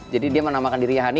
jadi dia menamakan dirinya honey